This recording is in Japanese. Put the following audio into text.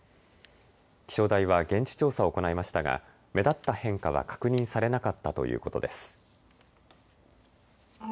気象台は現地調査を行いましたが目立った変化は確認されなかったということです。